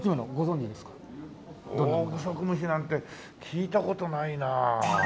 オオグソクムシなんて聞いた事ないなあ。